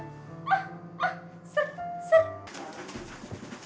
mah mah mah mah